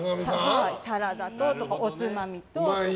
サラダと、おつまみと。